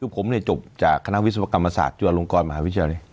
ผมเนี่ยจบจากคณะวิศวกรรมศาสตร์จุฬงกรมหาวิชาเนี่ย